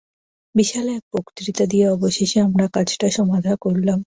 বিশাল এক বক্তৃতা দিয়ে অবশেষে আমরা কাজটা সমাধা করলাম।